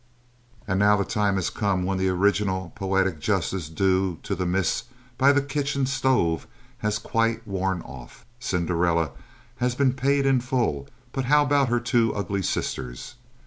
And now the time has come when the original poetic justice due to the miss by the kitchen stove has quite worn off. Cinderella has been paid in full, but how about her two ugly sisters?